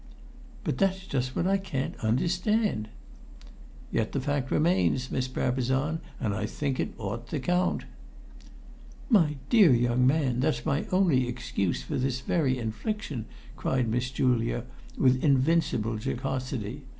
"But that's just what I can't understand!" "Yet the fact remains, Miss Brabazon, and I think it ought to count." "My dear young man, that's my only excuse for this very infliction!" cried Miss Julia, with invincible jocosity.